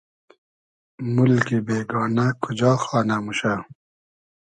مولگی بېگانۂ کوجا خانۂ شودۂ